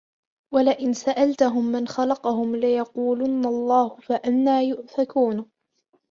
وَلَئِنْ سَأَلْتَهُمْ مَنْ خَلَقَهُمْ لَيَقُولُنَّ اللَّهُ فَأَنَّى يُؤْفَكُونَ